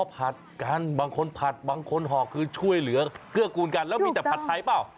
ผัดกันบางคนผัดบางคนห่อคือช่วยเหลือเกื้อกูลกันแล้วมีแต่ผัดไทยเปล่า